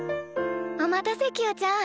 お待たせキヨちゃん。